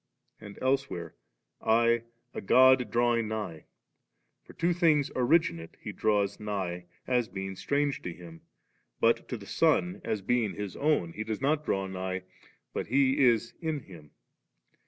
and elsewhere, * I a God drawing nigh*;' for to things originate He draws nigh, as being strange to Him, but to the Son, as be ing His own, He does not draw nigh, but He is in Him.